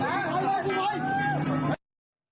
ตามเลยตามเลย